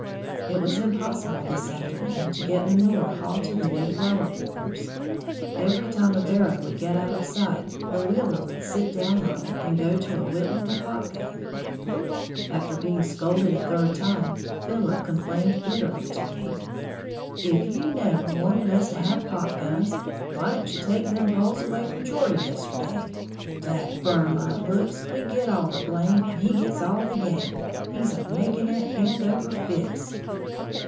It was impossible this afternoon to get manure hauled to the new flower borders, every time a barrow would get out of sight, the wheeler would sit down on it and go to whittling a pop gun. After being scolded a third time, Philip complained bitterly to me, "If you never wanted us to have pop guns, whyn't you take them poles away from Geordie yesterday? Dad burn my looks, we git all the blame, and he gits all the gain, he's a making it hand over fist."